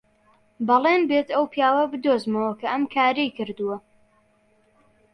بەڵێن بێت ئەو پیاوە بدۆزمەوە کە ئەم کارەی کردووە.